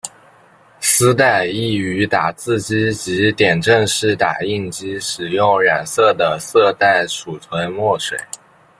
丝带亦于打字机及点阵式打印机使用染色的色带储存墨水。